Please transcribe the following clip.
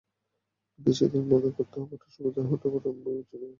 বিদেশিদের মনে করতে পারায় অসুবিধা হতে পারে বিবেচনায় বঙ্গভূমি নামটিও বাদ গেল।